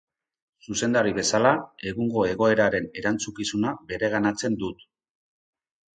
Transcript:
Zuzendari bezala, egungo egoeraren erantzukizuna bereganatzen dut.